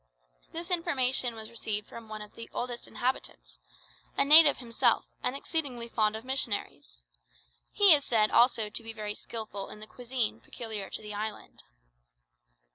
This information was received from one of the oldest inhabitants, a native himself, and exceedingly fond of missionaries. He is said also to be very skilful in the cuisine peculiar to the island.